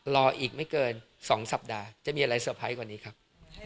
รออีกไม่เกิน๒สัปดาห์จะมีอะไรเซอร์ไพรส์กว่านี้ครับ